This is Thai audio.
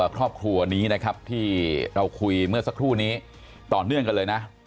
ครอบครัวนี้นะครับที่เราคุยเมื่อสักครู่นี้ต่อเนื่องกันเลยนะ